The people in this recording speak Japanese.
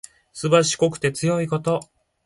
すばしこくて強いこと。